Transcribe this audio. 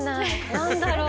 何だろう？